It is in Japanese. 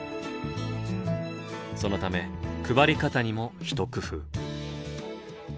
そのため配り方にも一工夫。